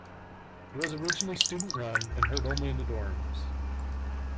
It was originally student-run and heard only in the dorms.